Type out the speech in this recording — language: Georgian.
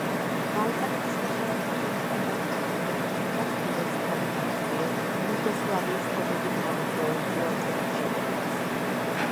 ბალკანეთის ნახევარკუნძულის პატარა ქვეყნის ეკონომიკა ცდილობს თავი დააღწიოს იუგოსლავიის ომებით გამოწვეულ უარყოფით შედეგებს.